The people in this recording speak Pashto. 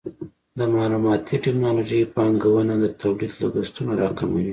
د معلوماتي ټکنالوژۍ پانګونه د تولید لګښتونه راکموي.